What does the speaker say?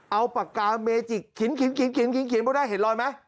เอาปากกาเมจิกเขียนก็ได้เห็นรอยไหม